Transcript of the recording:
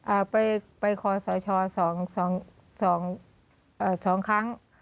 อ่าไปไปคอสชสองสองเอ่อสองครั้ง